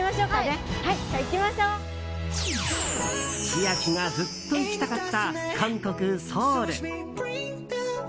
千秋がずっと行きたかった韓国ソウル。